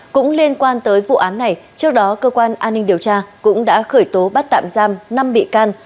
cũng liên quan tới vụ án này trước đó cơ quan an ninh điều tra cũng đã khởi tố bắt tạm giam năm bị can